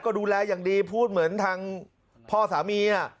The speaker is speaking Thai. ก็ดูแลอย่างดีพูดเหมือนทางพ่อสามี